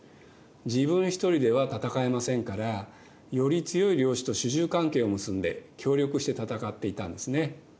自分一人では戦えませんからより強い領主と主従関係を結んで協力して戦っていたんですね。